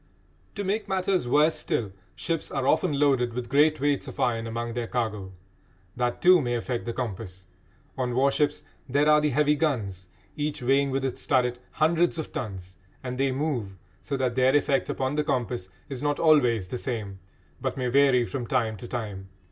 To make matters worse still, ships are often loaded with great weights of iron among their cargo. That, too, may affect the compass. On warships there are the heavy guns, each weighing, with its turret, hundreds of tons, and they move, so that their effect upon the compass is not always the same, but may vary from time to time.